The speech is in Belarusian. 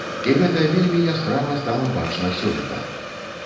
І гэта вельмі яскрава стала бачна сёлета.